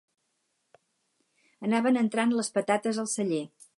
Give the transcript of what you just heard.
Anaven entrant les patates al celler.